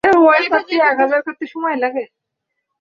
সুন্দরেসা, আমি ক্ষমা পাব না, তাই না?